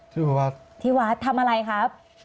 ที่วัดที่วัดทำอะไรครับ